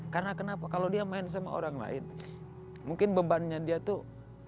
karena kenapa kalau dia main sama orang lain mungkin bebannya dia tuh